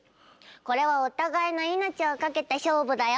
これはお互いの命を懸けた勝負だよ。